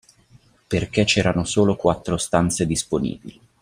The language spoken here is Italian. Perché c'erano solo quattro stanze disponibili.